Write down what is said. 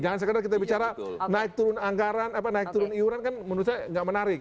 jangan sekedar kita bicara naik turun anggaran naik turun iuran kan menurut saya tidak menarik